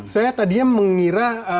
saya tadinya mengira